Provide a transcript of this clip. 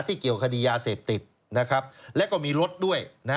ที่เกี่ยวขดียาเสพติบและก็มีรถด้วย